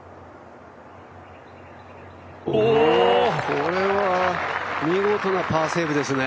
これは見事なパーセーブですね。